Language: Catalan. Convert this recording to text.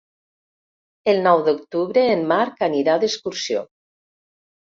El nou d'octubre en Marc anirà d'excursió.